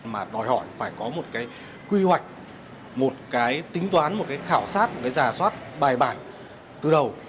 mà đòi hỏi phải có một quy hoạch một tính toán một khảo sát một giả soát bài bản từ đầu